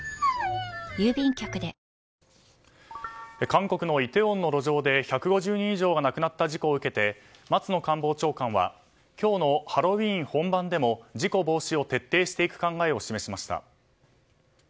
韓国のイテウォンの路上で１５０人以上が亡くなった事故を受けて松野官房長官は今日のハロウィーン本番でも事故防止を徹底していく考えを示しました。